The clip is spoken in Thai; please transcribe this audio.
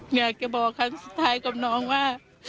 อยากจะบอกครั้งสุดท้ายกับน้องว่า